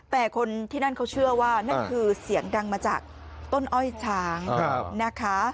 แต่คนที่นั่นเขาเชื่อว่านั่นคือเสียงดังมาจากต้นอ้อยช้างนะคะ